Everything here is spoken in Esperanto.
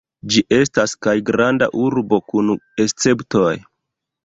Ĝi estas kaj Granda Urbo kun Esceptoj.